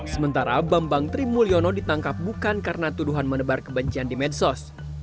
sementara bambang trimulyono ditangkap bukan karena tuduhan menebar kebencian di medsos